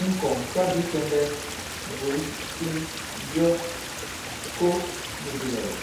I ŋ̀kɔ̀ŋ sa bwě kɛmbɛ, ŋgòy, siŋ, mbyɔ, ko nì bìlɔ̀lɔ̀.